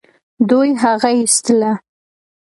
دوی هغه ايستله.